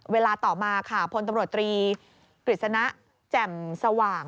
เวลาต่อมาค่ะพลตำรวจตรีกฤษณะแจ่มสว่าง